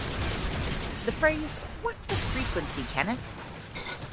The phrase What's the Frequency, Kenneth?